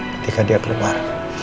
ketika dia keluar